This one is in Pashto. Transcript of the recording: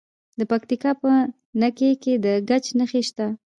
د پکتیکا په نکې کې د ګچ نښې شته.